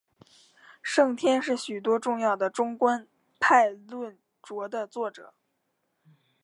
圣天是许多重要的中观派论着的作者。